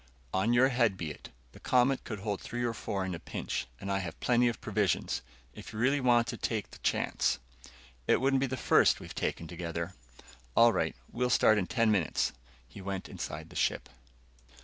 "On your head be it. The Comet could hold three or four in a pinch, and I have plenty of provisions. If you really want to take the chance " "It won't be the first we've taken together." "All right. We'll start in ten minutes." He went inside the ship.